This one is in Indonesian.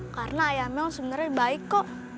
karena ayah mel sebenarnya baik kok